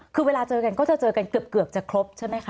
คือเวลาเจอกันก็จะเจอกันเกือบจะครบใช่ไหมคะ